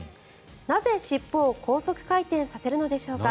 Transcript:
なぜ、尻尾を高速回転させるのでしょうか。